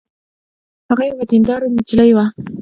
هغه یوه دینداره نجلۍ وه